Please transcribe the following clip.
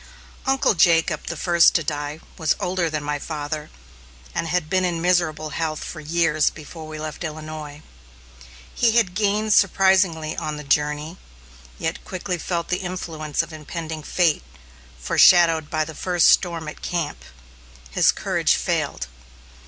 " Uncle Jacob, the first to die, was older than my father, and had been in miserable health for years before we left Illinois. He had gained surprisingly on the journey, yet quickly felt the influence of impending fate, foreshadowed by the first storm at camp. His courage failed.